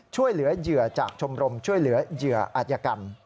ช่วยเหลือเหยื่อจากชมรมช่วยเหลือเหยื่ออัธยกรรม